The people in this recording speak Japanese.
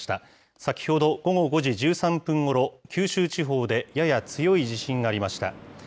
先ほど、午後５時１３分ごろ、九州地方でやや強い地震がありました。